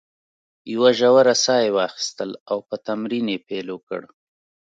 یوه ژوره ساه یې واخیستل او په تمرین یې پیل وکړ.